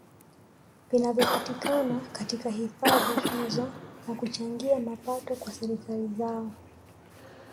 Vinavyopatikana katika hifadhi hizo na kuchangia mapato kwa serikali zao